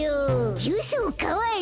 ジュースおかわり。